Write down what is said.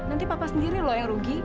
nanti papa sendiri loh yang rugi